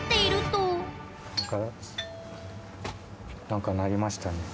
何か鳴りましたね。